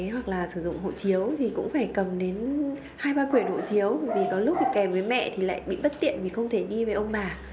hoặc là sử dụng hộ chiếu thì cũng phải cầm đến hai ba quyển hộ chiếu vì có lúc kèm với mẹ thì lại bị bất tiện vì không thể đi với ông bà